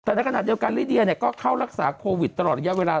แต่ในขณะเดียวกันลิเดียก็เข้ารักษาโควิดตลอดระยะเวลา